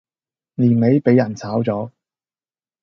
年尾俾人炒左